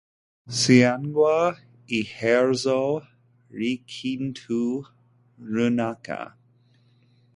cyangwa iherezo ry’ikintu runaka